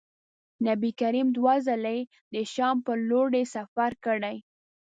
نبي کریم دوه ځلي د شام پر لوري سفر کړی.